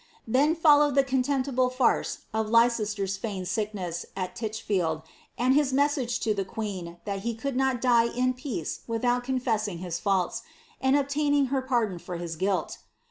Then followed the contemptible farce of Leicester's feigned sickness It Tichfield, and his message to the queen that he could not die in peace without confessing his faults, and obtaining her pardon for his guilt.